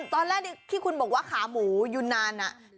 ตอนแล้วนี่คุณบอกว่าขาหมูอยู่นานน่ะ